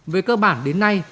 về cơ bản đến nay